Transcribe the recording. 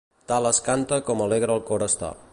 Tal es canta com alegre el cor està.